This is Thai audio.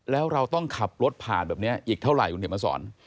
แล้วเราต้องขับรถผ่านแบบนี้อีกเท่าไหร่คุณเขียนมาสอน